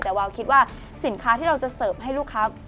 แต่วาวคิดว่าสินค้าที่เราจะเสิร์ฟให้ลูกค้า